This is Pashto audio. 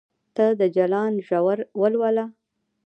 ته د جلان ژور ولوله